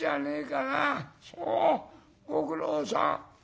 そうご苦労さん。